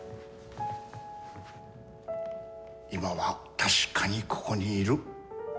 今はたしかにここにいる。